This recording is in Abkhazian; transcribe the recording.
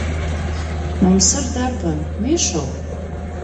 Мамсыр дарбан, Мишоу?